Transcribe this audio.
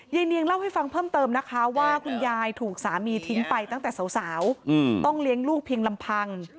เนียงเล่าให้ฟังเพิ่มเติมนะคะว่าคุณยายถูกสามีทิ้งไปตั้งแต่สาวต้องเลี้ยงลูกเพียงลำพัง